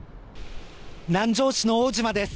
南城市の奥武島です。